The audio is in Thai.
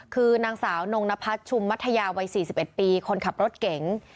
คือนางสาวนงนพัฒน์ชุมมัธยาวัย๔๑ปีคนขับรถเก๋ง